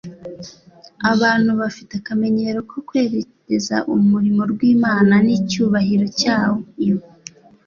Abantu bafite akamenyero ko kwerereza umurimo rw'Imana n'icyubahiro cyayo,